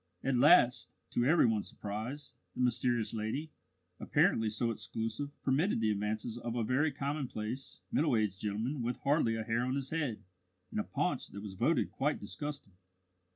At last, to every one's surprise, the mysterious lady, apparently so exclusive, permitted the advances of a very commonplace, middle aged gentleman with hardly a hair on his head and a paunch that was voted quite disgusting.